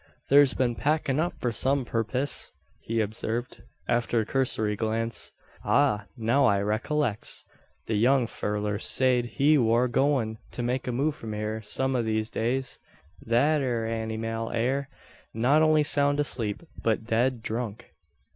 "Thur's been packin' up for some purpiss," he observed, after a cursory glance. "Ah! Now I reccollex. The young fellur sayed he war goin' to make a move from hyur some o' these days. Thet ere anymal air not only soun' asleep, but dead drunk.